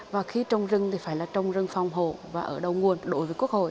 và khi trong rừng thì phải là trong rừng phòng hồ và ở đầu nguồn đối với quốc hội